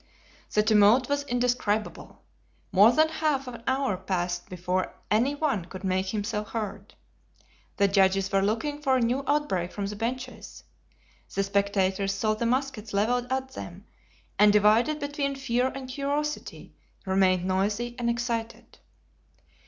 The tumult was indescribable. More than half an hour passed before any one could make himself heard. The judges were looking for a new outbreak from the benches. The spectators saw the muskets leveled at them, and divided between fear and curiosity, remained noisy and excited.